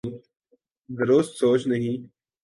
درست سوچ نہیں۔